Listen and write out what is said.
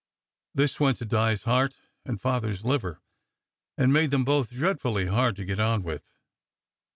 This went to Di s heart and Father s liver, and made them both dreadfully hard to get on with.